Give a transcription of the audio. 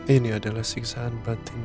ini adalah siksaan batin